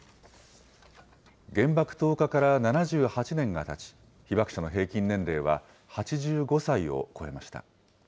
原爆投下から７８年がたち、被爆者の平均年齢は８５歳を超えました。